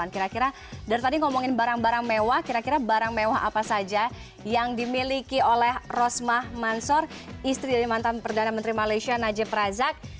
kira kira dari tadi ngomongin barang barang mewah kira kira barang mewah apa saja yang dimiliki oleh rosmah mansor istri dari mantan perdana menteri malaysia najib razak